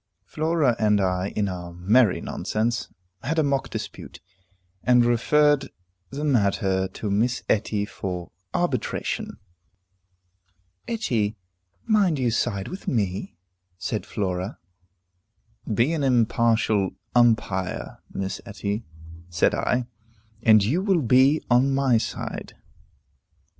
Flora and I, in our merry nonsense, had a mock dispute, and referred the matter to Miss Etty for arbitration. "Etty, mind you side with me," said Flora. "Be an impartial umpire, Miss Etty," said I, "and you will be on my side."